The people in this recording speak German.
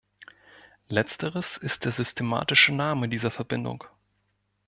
Letzteres ist der systematische Name dieser Verbindung.